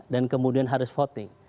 dan kemudian harus voting